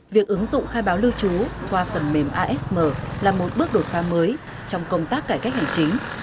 việc ứng dụng khai báo lưu trú qua phần mềm asm là một bước đột pha mới trong công tác cải cách hành chính